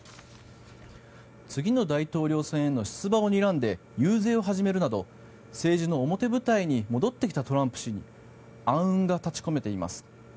次の大統領選への出馬をにらんで、遊説を始めるなど政治の表舞台に戻ってきたトランプ氏に暗雲が立ち込めています。